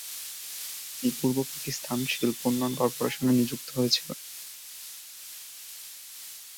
তিনি পূর্ব পাকিস্তান শিল্প উন্নয়ন কর্পোরেশনে নিযুক্ত হয়েছিলেন।